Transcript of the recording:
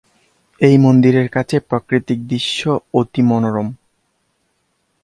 এই মন্দিরের কাছের প্রাকৃতিক দৃশ্য অতি মনোরম।